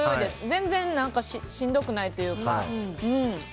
全然、しんどくないというか。